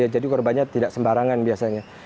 jadi korbannya tidak sembarangan biasanya